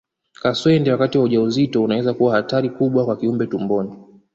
Kaswende wakati wa ujauzito unaweza kuwa hatari kubwa kwa kiumbe tumboni